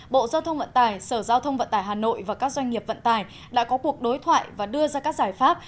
bộ giao thông vận tải sở giao thông vận tải hà nội và các doanh nghiệp vận tải đã có cuộc đối thoại và đưa ra các giải pháp